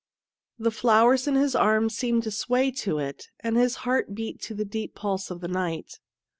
The flowers in his arms seemed to sway to it, and his heart beat to the deep pulse of the night.